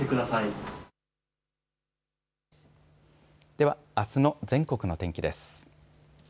では、あすの全国の天気です。